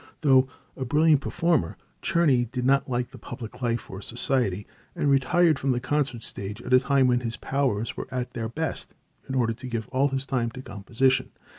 Though a brilliant performer, Czerny did not like public life or society, and retired from the concert stage at a time when his powers were at their best, in order to give all his time to composition.